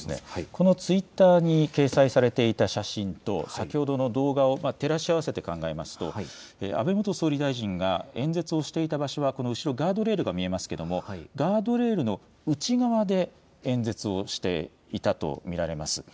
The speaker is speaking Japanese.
このツイッターに掲載されていた写真と先ほどの動画を照らし合わせて考えますと安倍元総理大臣が演説をしていた場所はこの後ろ、ガードレールが見えますがガードレールの内側で演説をしていたと見られます。